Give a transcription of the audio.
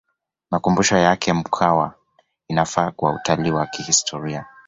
makumbusho ya mkwawa inafaa kwa utalii wa kihistoria